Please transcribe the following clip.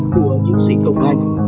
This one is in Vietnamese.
của nhân sĩ công an